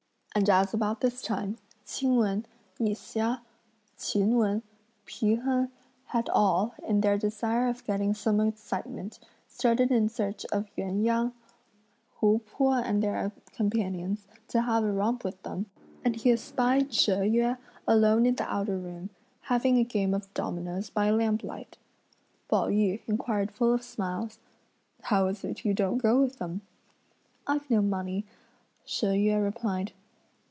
And as about this time Ch'ing Wen, I Hsia, Ch'in Wen, Pi Hen had all, in their desire of getting some excitement, started in search of Yüan Yang, Hu Po and their companions, to have a romp with them, and he espied She Yüeh alone in the outer room, having a game of dominoes by lamp light, Pao yü inquired full of smiles: "How is it you don't go with them?" "I've no money," She Yüeh replied.